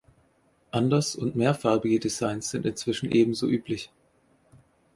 Anders- und mehrfarbige Dessins sind inzwischen ebenso üblich.